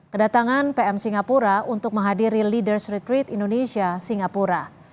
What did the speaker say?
kedatangan pm singapura untuk menghadiri leaders retreet indonesia singapura